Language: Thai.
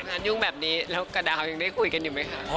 งานยุ่งแบบนี้แล้วกระดาวยังได้คุยกันอยู่ไหมคะ